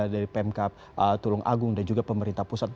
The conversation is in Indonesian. dari pemkap tulung agung dan juga pemerintah pusat